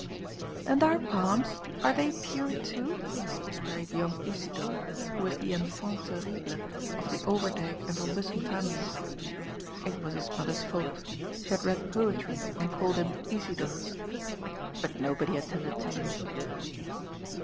"And our palms, are they pure too?" queried young Isidor, who was the " enfant terrible " of the Overdyk and van Bussen families. It was his mother's fault She had read poetry and called him Isidor. But nobody attended to him.